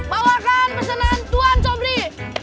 bawakan pesanan tuan sobri